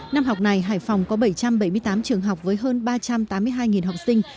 năm học này hải phòng có bảy trăm bảy mươi tám trường học với hơn ba trăm tám mươi hai học sinh